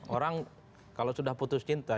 orang kalau sudah putus cinta